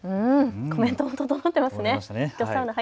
コメントも整っていますね。